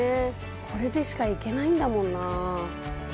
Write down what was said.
これでしか行けないんだもんな。